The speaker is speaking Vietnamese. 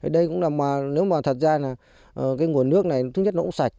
đây cũng là nếu mà thật ra là cái nguồn nước này thứ nhất nó cũng sạch